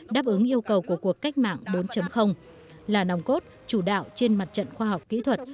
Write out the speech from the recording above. đáp ứng yêu cầu của cuộc cách mạng bốn là nòng cốt chủ đạo trên mặt trận khoa học kỹ thuật